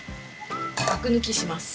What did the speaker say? アク抜きします。